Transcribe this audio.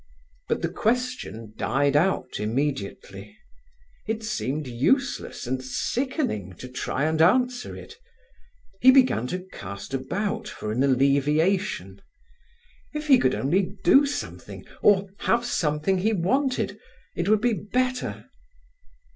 But the question died out immediately. It seemed useless and sickening to try and answer it. He began to cast about for an alleviation. If he could only do something, or have something he wanted, it would be better.